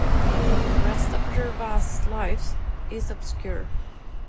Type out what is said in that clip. The rest of Gervase's life is obscure.